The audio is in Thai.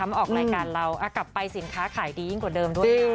มาออกรายการเรากลับไปสินค้าขายดียิ่งกว่าเดิมด้วยนะ